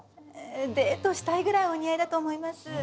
デートしたいぐらいお似合いだと思います。